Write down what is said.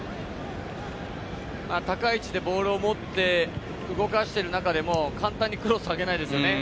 高い位置でボールを持って動かしてる中でも、簡単にクロスを上げないですよね。